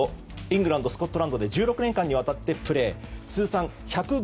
イングランド、スコットランドで１６年間にわたってプレー。